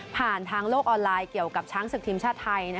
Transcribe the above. ผ่านทางโลกออนไลน์เกี่ยวกับช้างศึกทีมชาติไทย